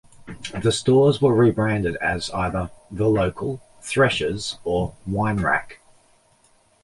The stores were rebranded as either 'The Local', 'Thresher's' or 'Wine Rack'.